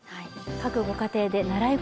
各ご家庭で習い事